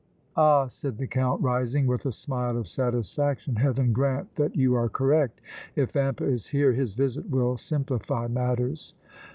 "Ah!" said the Count, rising, with a smile of satisfaction. "Heaven grant that you are correct! If Vampa is here, his visit will simplify matters."